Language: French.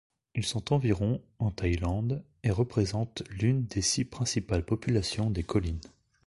Ils sont environ en Thaïlande, et représentent l'une des six principales populations des collines.